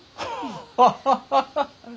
ハハハハッ！